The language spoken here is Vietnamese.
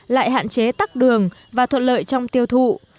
lại hạn chế tắc đường và thuận lợi trong tiêu thụ